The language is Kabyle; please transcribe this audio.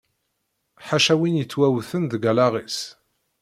Ḥaca win yettwawten deg allaɣ-is.